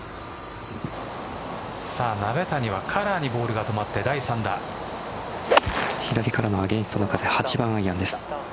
鍋谷はカラーにボールが止まっ左からのアゲンストの風８番アイアンです。